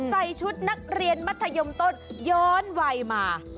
ใส่ชุดนักเรียนมัธยมต้นย้อนวัยมา